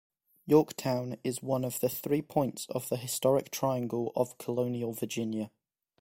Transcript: Yorktown is one of the three points of the Historic Triangle of Colonial Virginia.